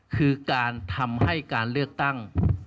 คือการทำให้การเลือกตั้ง